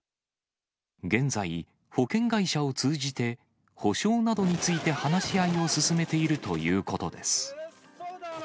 現在、保険会社を通じて、補償などについて話し合いを進めているということです。